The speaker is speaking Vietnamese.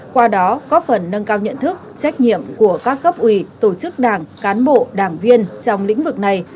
qua đó có phần nâng cao nhận thức trách nhiệm của các cấp ủy tổ chức đảng cán bộ đảng viên trong lĩnh vực này